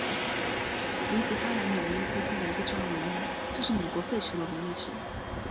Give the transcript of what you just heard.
引起哈莱姆文艺复兴的一个重要原因就是美国废除了奴隶制。